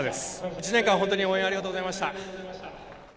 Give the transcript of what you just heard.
１年間本当に応援ありがとうございました。